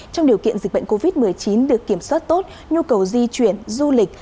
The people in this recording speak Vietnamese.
trong điều kiện dịch bệnh covid một mươi chín được kiểm soát tốt nhu cầu di chuyển du lịch